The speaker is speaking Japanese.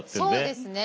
そうですね。